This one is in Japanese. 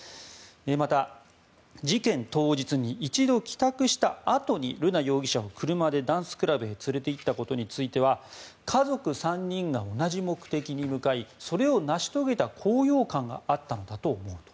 また、事件当日に一度帰宅したあとに瑠奈容疑者を車でダンスクラブへ連れていったことについては家族３人が同じ目的に向かいそれを成し遂げた高揚感があったのだと思うと。